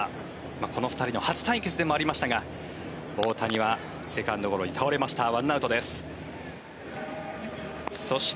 この２人の初対決でもありましたが大谷はセカンドゴロに倒れました。